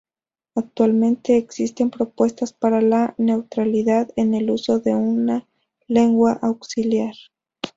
Actualmente existen propuestas para la neutralidad en el uso de una lengua auxiliar.